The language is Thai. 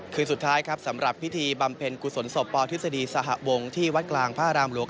คืนสุดท้ายครับสำหรับพิธีบำเพ็ญกุศลศพปทฤษฎีสหวงที่วัดกลางพระรามหลวง